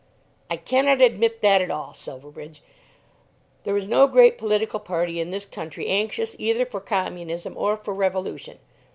"I cannot admit that at all, Silverbridge. There is no great political party in this country anxious either for Communism or for revolution.